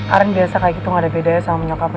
aren biasa kayak gitu gak ada bedanya sama nyokapnya